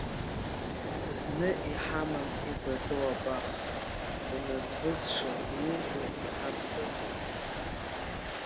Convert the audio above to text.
Зны иҳамам ибатәу абаха, уназвысша еиӷьу ҳаббаӡац.